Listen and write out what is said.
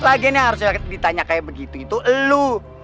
lagi ini yang harus ditanya kayak begitu itu lo